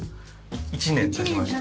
１年経ちました。